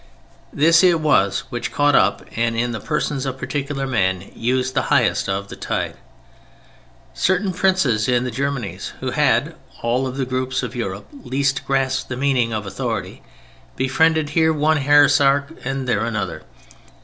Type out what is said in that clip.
This it was which caught up and, in the persons of particular men, used the highest of the tide. Certain princes in the Germanies (who had, of all the groups of Europe, least grasped the meaning of authority) befriended here one heresiarch and there another.